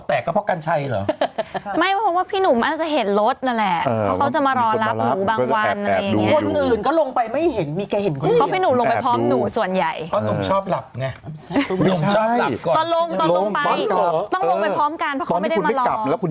เพราะคุณจะต้องเดินเมาท์ถึงก็ต้องขึ้นที่คนนี้กันก่อน